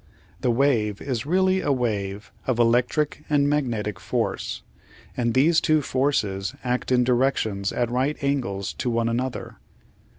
The wave is really a wave of electric and magnetic force, and these two forces act in directions at right angles to one another.